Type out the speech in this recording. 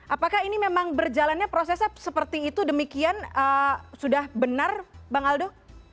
apakah ini memang berjalannya prosesnya seperti itu demikian sudah benar bang aldo